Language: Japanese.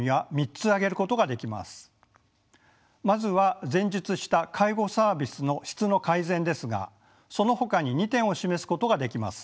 まずは前述した介護サービスの質の改善ですがそのほかに２点を示すことができます。